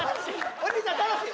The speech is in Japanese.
お兄ちゃん楽しい？